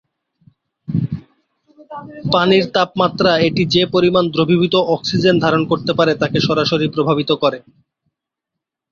পানির তাপমাত্রা এটি যে পরিমাণ দ্রবীভূত অক্সিজেন ধারণ করতে পারে তাকে সরাসরি প্রভাবিত করে।